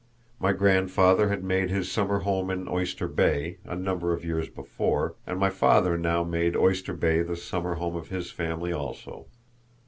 My grandfather had made his summer home in Oyster Bay a number of years before, and my father now made Oyster Bay the summer home of his family also.